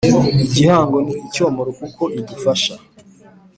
igihango Ni Icyomoro kuko idufasha